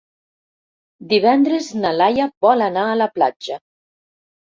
Divendres na Laia vol anar a la platja.